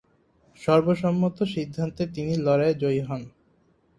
সর্বসম্মত সিদ্ধান্তে তিনি লড়াইয়ে জয়ী হন।